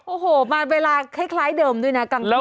โอ้โหมาเวลาคล้ายเดิมด้วยนะกลางคืน